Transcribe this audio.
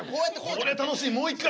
こりゃ楽しいもう一回。